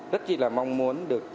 rất là mong muốn